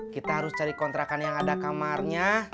kita harus cari kontrakan yang ada kamarnya